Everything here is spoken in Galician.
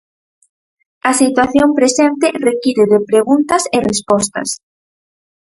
A situación presente require de preguntas e respostas.